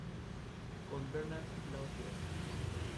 Durante la marea baja quedan expuestas playas de arena fina.